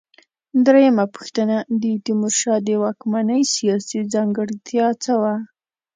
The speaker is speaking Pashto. درېمه پوښتنه: د تیمورشاه د واکمنۍ سیاسي ځانګړتیا څه وه؟